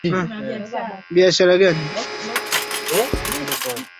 i ya viti mia nne thelathini na vitano katika bunge hilo la wakilishi